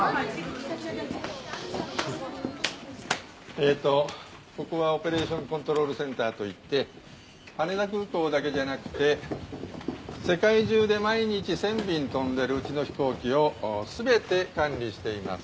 えーっとここはオペレーションコントロールセンターといって羽田空港だけじゃなくて世界中で毎日１，０００便飛んでるうちの飛行機を全て管理しています。